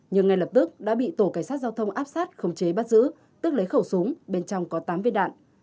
nhưng ngay lập tức đã bị tổ cảnh sát giao thông áp sát khống chế bắt giữ tức lấy khẩu súng bên trong có tám viên đạn